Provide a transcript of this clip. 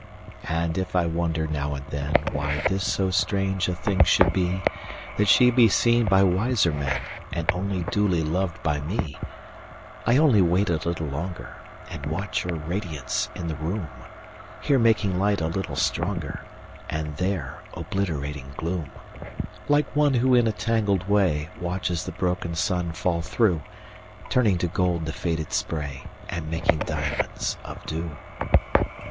And if I wonder now and thenWhy this so strange a thing should be—That she be seen by wiser menAnd only duly lov'd by me:I only wait a little longer, And watch her radiance in the room; Here making light a little stronger, And there obliterating gloom,(Like one who, in a tangled way, Watches the broken sun fall through, Turning to gold the faded spray, And making diamonds of dew).